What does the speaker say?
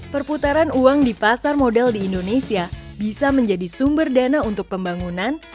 perputaran uang di pasar modal di indonesia bisa menjadi sumber dana untuk pembangunan